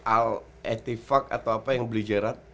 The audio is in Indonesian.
al etifak atau apa yang beli gerard